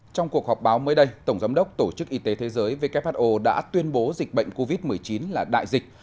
trong cuộc họp báo mới đây tổng giám đốc tổ chức y tế thế giới who đã tuyên bố dịch bệnh covid một mươi chín là đại dịch